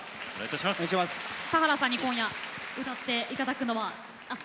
田原さんに今夜歌っていただくのは。